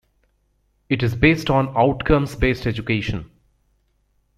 It is based on Outcomes Based Education.